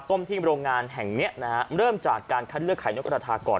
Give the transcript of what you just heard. ที่โรงงานแห่งเนี้ยนะฮะเริ่มจากการคัดเลือกไข่นกกระทาก่อน